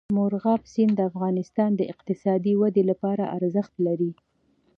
مورغاب سیند د افغانستان د اقتصادي ودې لپاره ارزښت لري.